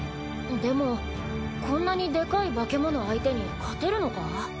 でもこんなにでかい化け物相手に勝てるのか？